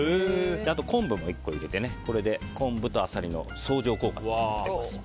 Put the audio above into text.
あと、昆布も１個入れてこれで昆布とアサリの相乗効果になります。